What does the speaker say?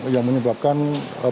yang menyebabkan penyakit